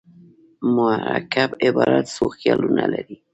مرکب عبارت څو خیالونه لري.